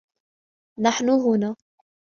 نحن هنا.